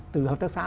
từ hợp tác xã